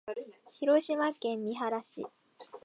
広島県三原市